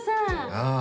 ああ。